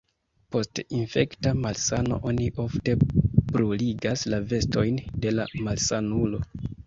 Post infekta malsano oni ofte bruligas la vestojn de la malsanulo.